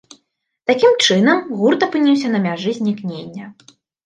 Такім чынам, гурт апынуўся на мяжы знікнення.